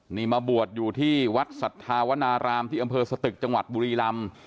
นี่มาบวชอยู่ที่วัดสัทธาวนารามที่อำเภอสตึกจังหวัดบุรีลำ